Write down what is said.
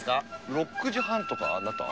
６時半とかなった？